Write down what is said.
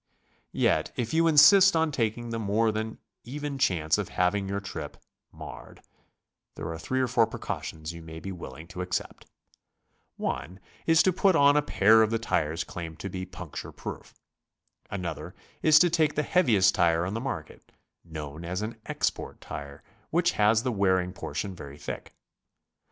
Yet if you insist on taking the more than even chance of having your trip marred, there are three or four precautions you may be willing to accept. One is to put on a pair of the tires claimed to be puncture proof. Another is to take the heaviest tire on the market, known as an "export tire," which has the wearing portion very thick.